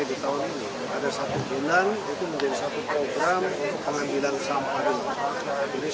pentingnya bahwa indonesia harus serius buat melakukan sampah plastik